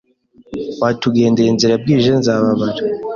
Watugendeye inzira bwije Nzabarara